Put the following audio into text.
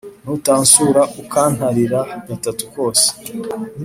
ntuntasure ukantarira gatatu kose